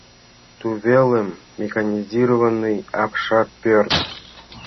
Тувелым механизированный апшат пӧрт.